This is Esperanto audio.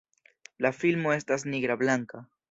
La filmo estas nigra-blanka.